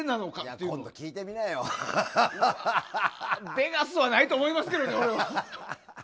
ベガスはないと思いますけどね。